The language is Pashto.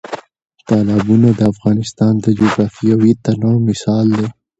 تالابونه د افغانستان د جغرافیوي تنوع مثال دی.